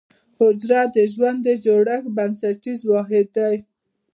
حجره د ژوند د جوړښت بنسټیز واحد دی